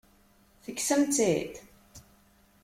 Tekksem-tt-id?